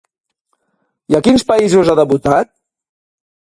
I a quins països ha debutat?